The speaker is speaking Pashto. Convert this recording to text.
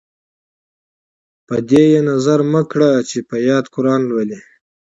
په دې یې نظر مه کړه چې په یاد قران لولي.